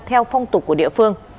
theo phong tục của địa phương